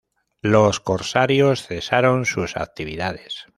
Los corsarios cesaron sus actividades.